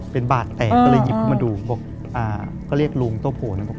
เป็นบาทแตกก็เลยหยิบมาดูก็เรียกรุงโตโผลบอก